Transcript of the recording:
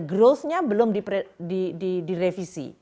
growth nya belum direvisi